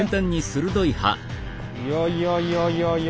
いやいやいやいやいや。